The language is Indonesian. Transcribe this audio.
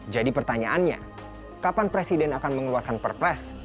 jadi pertanyaannya kapan presiden akan mengeluarkan perpres